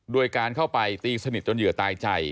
โดยการเข้าไปตีสนิทจนเหยื่อตายใจ